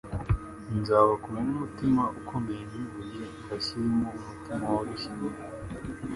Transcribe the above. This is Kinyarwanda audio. nzabakuramo umutima ukomeye nk’ibuye mbashyiremo umutima woroshye